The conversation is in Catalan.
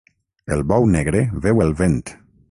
El bou negre veu el vent.